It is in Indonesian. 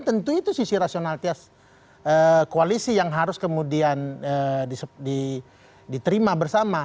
tentu itu sisi rasionalitas koalisi yang harus kemudian diterima bersama